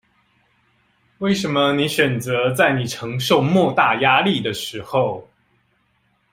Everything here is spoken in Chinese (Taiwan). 為什麼你選擇在你承受莫大壓力的時候